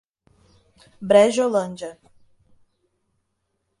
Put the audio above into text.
Brejolândia